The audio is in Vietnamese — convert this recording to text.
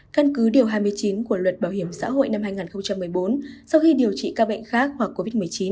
căn cứ điều hai mươi chín của luật bảo hiểm xã hội năm hai nghìn một mươi bốn sau khi điều trị các bệnh khác hoặc covid một mươi chín